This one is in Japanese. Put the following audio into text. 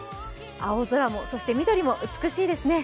青空も、そして緑も美しいですね。